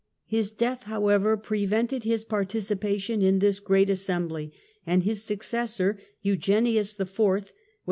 His death, however, prevented his 1431 ^^'' participation in this great assembly, and his successor Euc'enms Eugenius IV. was.